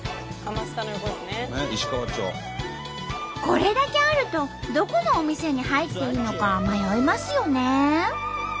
これだけあるとどこのお店に入っていいのか迷いますよね。